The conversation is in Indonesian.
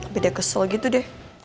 beda kesel gitu deh